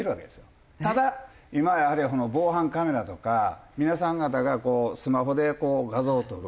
ただ今やはり防犯カメラとか皆さん方がこうスマホで画像を撮る。